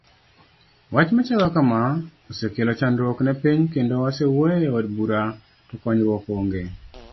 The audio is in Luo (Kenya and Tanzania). Wch machalo kama osekelo chandruok ne piny kendo wasewuoye od bura to konyruok onge.